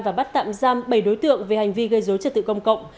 và bắt tạm giam bảy đối tượng về hành vi gây dối trật tự công cộng